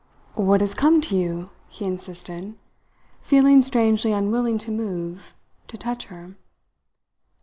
"What has come to you?" he insisted, feeling strangely unwilling to move, to touch her.